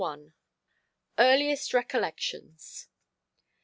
_ EARLIEST RECOLLECTIONS.